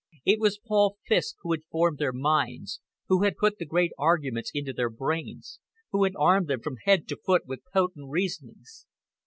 It was Paul Fiske who had formed their minds, who had put the great arguments into their brains, who had armed them from head to foot with potent reasonings.